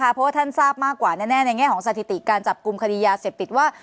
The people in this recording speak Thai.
เพราะว่าท่านทราบมากกว่าแน่ในแง่ของสถิติการจับกลุ่มคดียาเสพติดว่า